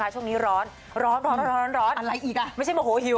ช่วงนี้ร้อนร้อนร้อนร้อนร้อนร้อนอะไรอีกอ่ะไม่ใช่แบบโหหิว